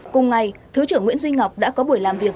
cùng ngày thứ trưởng nguyễn duy ngọc đã có buổi làm việc